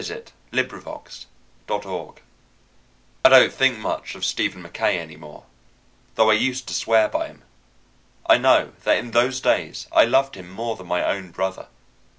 That Spot By Jack London I DON'T think much of Stephen Mackaye any more, though I used to swear by him. I know that in those days I loved him more than my brother.